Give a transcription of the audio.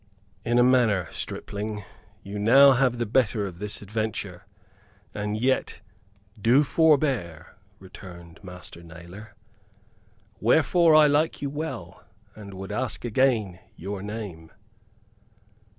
"In a manner, stripling, you have now the better of this adventure, and yet do forbear," returned Master Nailor. "Wherefore I like you well, and would ask again your name."